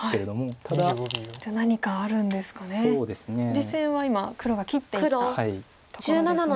実戦は今黒が切っていったところですね。